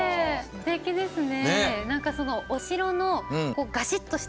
すてきですね。